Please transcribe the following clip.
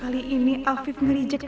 alvif buka pintunya